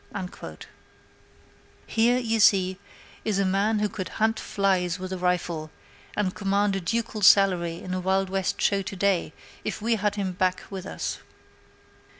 There, you see, is a man who could hunt flies with a rifle, and command a ducal salary in a Wild West show to day if we had him back with us.